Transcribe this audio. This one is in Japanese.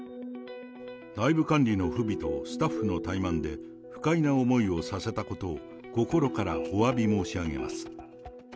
内部管理の不備とスタッフの怠慢で、不快な思いをさせたことを心からおわび申し上げます。